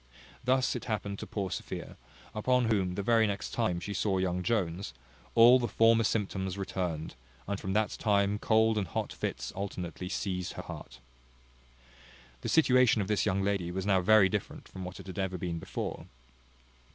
Thus it happened to poor Sophia; upon whom, the very next time she saw young Jones, all the former symptoms returned, and from that time cold and hot fits alternately seized her heart. The situation of this young lady was now very different from what it had ever been before.